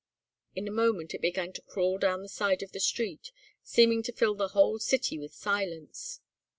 In a moment it began to crawl down the side of the street, seeming to fill the whole city with silence.